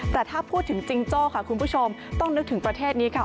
แต่ถ้าพูดถึงจิงโจ้ค่ะคุณผู้ชมต้องนึกถึงประเทศนี้ค่ะ